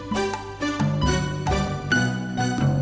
jadi gimana ak